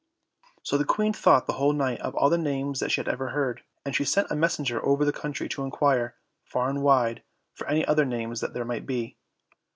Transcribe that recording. So the Queen thought the whole night of all the names that she had ever heard, and she sent a messenger over the country to inquire, far and wide, for any other names that there might be.